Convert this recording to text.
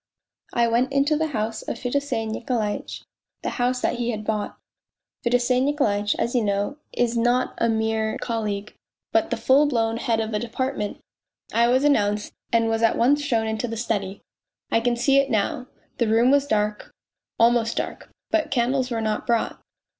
" I went into the house of Fedosey Nikolaitch (the house that he had bought). Fedosey Nikolaitch, as you know, is not a mere 212 POLZUNKOV colleague, but the full blown head of a department. I was announced, and was at once shown into the study. I can see it now; the room was dark, almost dark, but candles were not brought.